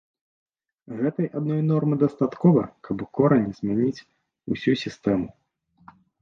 Гэтай адной нормы дастаткова, каб у корані змяніць усю сістэму.